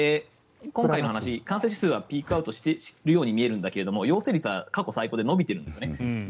今回の話、感染者数はピークアウトしているように見えるんだけど陽性率は過去最高で伸びてるんですよね。